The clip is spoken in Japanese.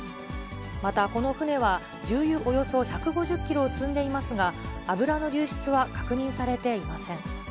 またこの船は、重油およそ１５０キロを積んでいますが、油の流出は確認されていません。